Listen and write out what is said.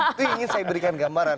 itu yang ingin saya berikan gambaran